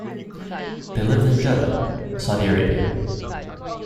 They live in Jeddah, Saudi Arabia.